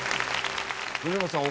藤本さん